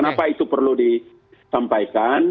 kenapa itu perlu disampaikan